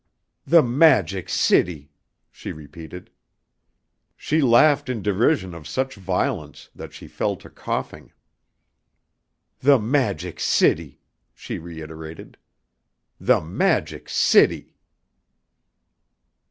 "The Magic City!" she repeated. She laughed in derision of such violence that she fell to coughing. "The Magic City!" she reiterated. "The Magic City!"